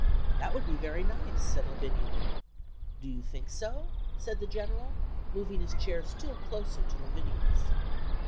"That would be very nice," said Lavinia. "Do you think so?" said the General, moving his chair still closer to Lavinia's.